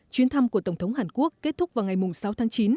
chuyến thăm của tổng thống hàn quốc kết thúc vào ngày sáu tháng chín